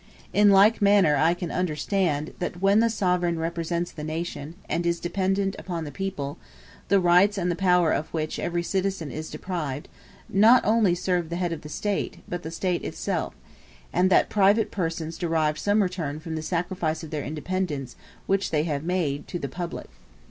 In like manner I can understand that when the sovereign represents the nation, and is dependent upon the people, the rights and the power of which every citizen is deprived, not only serve the head of the State, but the State itself; and that private persons derive some return from the sacrifice of their independence which they have made to the public.